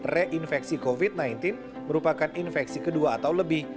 reinfeksi covid sembilan belas merupakan infeksi kedua atau lebih